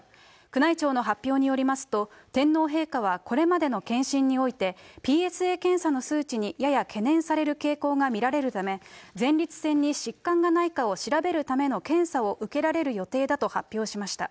宮内庁の発表によりますと、天皇陛下はこれまでの検診において、ＰＳＡ検査の数値にやや懸念される傾向が見られるため、前立腺に疾患がないかを調べるための検査を受けられる予定だと発表しました。